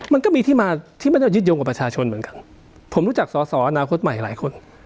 มันก็มีที่มาที่ไม่ได้ยึดโยงกับประชาชนเหมือนกันผมรู้จักสอสออนาคตใหม่หลายคน